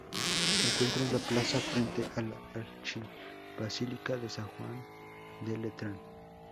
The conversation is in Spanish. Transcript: Se encuentra en la plaza frente a la Archibasílica de San Juan de Letrán.